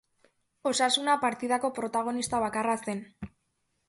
Osasuna partidako protagonista bakarra zen.